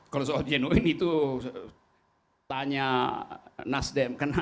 kalau soal genuin itu tanya nasdem